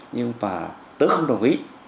nhưng mà tôi không đồng ý